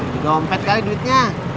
juga ompet kali duitnya